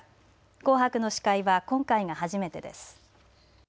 紅白の司会は今回が初めてです。